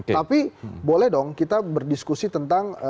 tapi boleh dong kita berdiskusi tentang